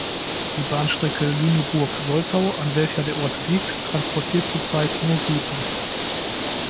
Die Bahnstrecke Lüneburg–Soltau, an welcher der Ort liegt, transportiert zurzeit nur Güter.